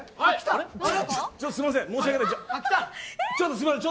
すいません。